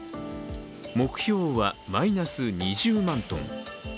目標はマイナス２０万トン。